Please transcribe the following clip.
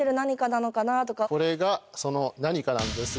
これがその何かなんですが。